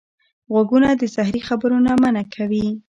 غوږونه د زهري خبرو نه منع کوي